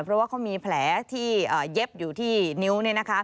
เพราะว่าเขามีแผลที่เย็บอยู่ที่นิ้วเนี่ยนะคะ